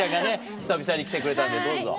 久々に来てくれたんでどうぞ。